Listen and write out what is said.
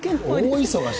大忙し。